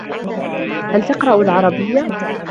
هل تقرأ العربيّة؟